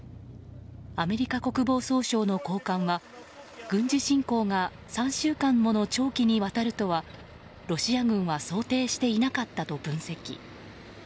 アメリカ国防総省の高官は軍事侵攻が３週間もの長期にわたるとはロシア軍は想定していなかったと分析。